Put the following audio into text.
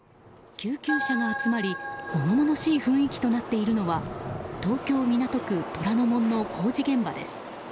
救急車が集まり物々しい雰囲気になっているのは東京・港区虎ノ門の工事現場です。